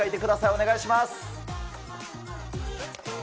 お願いします。